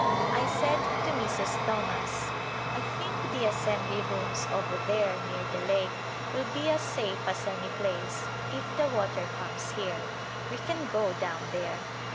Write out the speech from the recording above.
I said to Mrs. Thomas, " I think the assembly rooms over there near the lake will be as safe as any place if the water comes here. We can go down there."